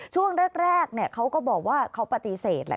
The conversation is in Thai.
ช่วงแรกเขาก็บอกว่าเขาปฏิเสธแหละ